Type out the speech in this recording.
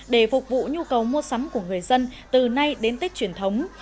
để phục vụ nhu cầu mua sắm của người dân từ nay đến tết truyền thống